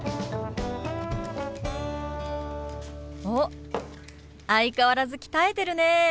おっ相変わらず鍛えてるね！